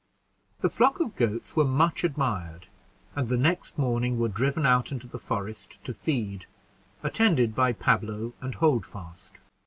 The flock of goats were much admired, and the next morning were driven out into the forest to feed, attended by Pablo and Holdfast.